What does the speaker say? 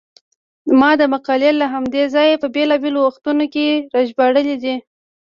ما دا مقالې له همدې ځایه په بېلابېلو وختونو کې راژباړلې دي.